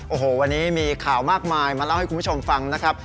โอ้โหวันนี้มีข่าวมากมายมาเล่าให้คุณผู้ชมฟังนะครับ